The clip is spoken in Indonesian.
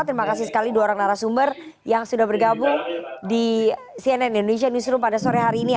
terima kasih sekali dua orang narasumber yang sudah bergabung di cnn indonesia newsroom pada sore hari ini